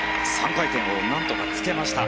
３回転を何とかつけました。